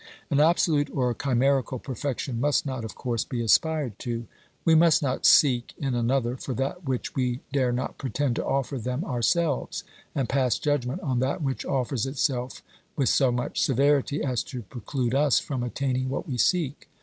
An absolute or chimerical perfection must not, of course, be aspired to ; we must not seek in another for that which we dare not pretend to offer them ourselves, and pass judgment on that which offers itself with so much severity as to preclude us from attaining what we seek.